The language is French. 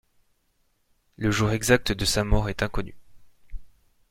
Le jour exact de sa mort est inconnu.